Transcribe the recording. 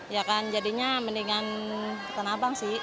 ya kan jadinya mendingan tanah abang sih